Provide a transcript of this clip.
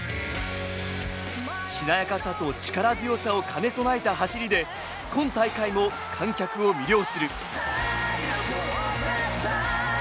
しなやかさと力強さを兼ね備えた走りで今大会も観客を魅了する。